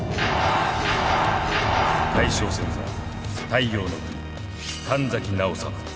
大将戦は太陽ノ国神崎直さま。